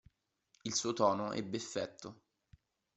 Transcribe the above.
Il suo tono ebbe effetto.